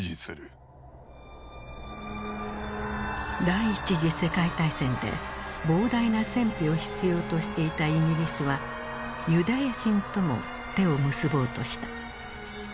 第一次世界大戦で膨大な戦費を必要としていたイギリスはユダヤ人とも手を結ぼうとした。